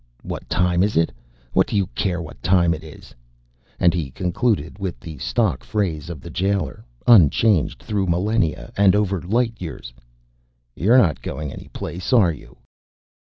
"What time is it? What do you care what time it is?" And he concluded with the stock phrase of the jailer, unchanged through millenia and over light years. "You're not going any place, are you?"